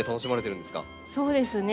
そうですね。